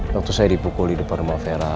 waktu saya dipukul di depan rumah vera